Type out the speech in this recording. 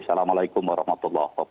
assalamualaikum warahmatullahi wabarakatuh